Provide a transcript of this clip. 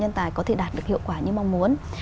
nhân tài có thể đạt được hiệu quả như mong muốn